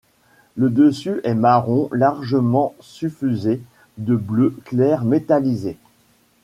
Le dessus est marron largement suffusé de bleu clair métallisé.